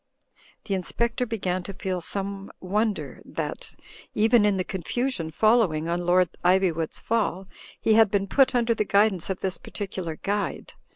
The Inspector began to feel some wonder that, even in the confusion following on Lord Ivywood*s fall, he had been put under the guidance of this particular guide.